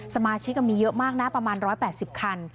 สมาชิกก็มีเยอะมากนะประมาณ๑๘๐คัน